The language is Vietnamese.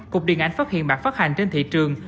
cục điện ảnh phát hiện bạc phát hành trên thị trường